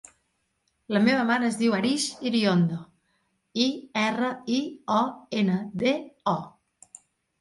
La meva mare es diu Arij Iriondo: i, erra, i, o, ena, de, o.